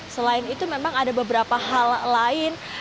selain itu memang ada beberapa hal lain